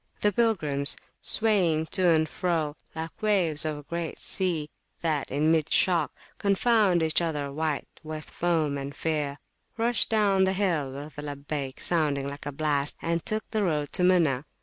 The pilgrims, swaying to and fro, Like waves of a great sea, that in mid shock Confound each other, white with foam and fear, rushed down the hill with a Labbayk sounding like a blast, and took the road to Muna.